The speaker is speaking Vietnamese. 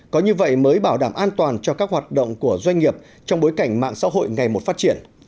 có như vậy mới bảo đảm an toàn cho các hoạt động của doanh nghiệp trong bối cảnh mạng xã hội ngày một phát triển